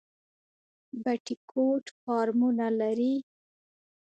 بټي کوټ فارمونه لري؟